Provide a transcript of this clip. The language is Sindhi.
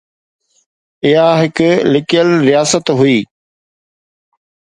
اُها هڪ لڪل رياست هئي.